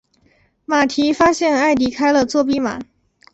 马蒂发现埃迪开了作弊码。